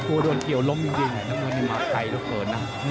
กลัวโดนเกี่ยวล้มจริงน้องน้องนี้มาไกลเท่าเกินนะ